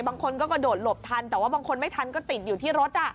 บางคนก็กระโดดหลบทันแต่ว่าบางคนไม่ทันก็ติดอยู่ที่รถ